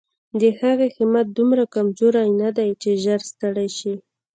د هغې همت دومره کمزوری نه دی چې ژر ستړې شي.